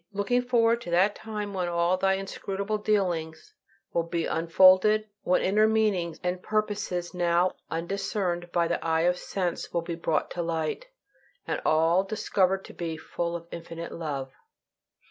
Looking forward to that time when all Thy inscrutable dealings will be unfolded, when inner meanings and purposes now undiscerned by the eye of sense will be brought to light, and all discovered to be full of infinite love.